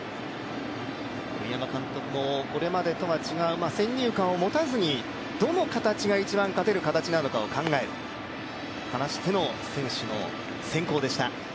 栗山監督もこれまでとは違う、先入観を持たずにどの形が一番勝てる形なのか考える、そう話しての選手の選考でした。